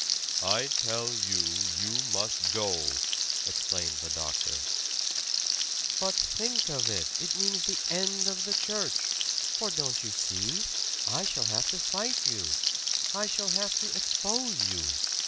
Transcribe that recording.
"I tell you you must go!" exclaimed the doctor. "But think of it! It means the end of the church. For don't you see I shall have to fight you! I shall have to expose you!